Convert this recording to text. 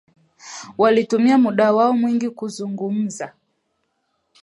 Walitumia muda wao mwingi kuzungumza